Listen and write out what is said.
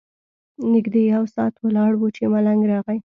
نږدې یو ساعت ولاړ وو چې ملنګ راغی.